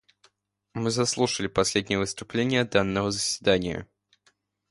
Мы заслушали последнее выступление данного заседания.